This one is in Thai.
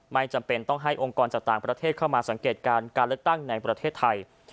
ไม่จำเป็นต้องให้องค์กรจากต่างประเทศเข้ามาสังเกตการการเลือกตั้งในประเทศไทย